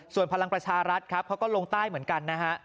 ส่วนพลังประชารัฐครับเขาก็ลงใต้เหมือนกันนะฮะ